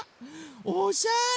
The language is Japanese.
おしゃれ。